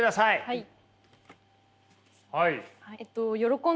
はい。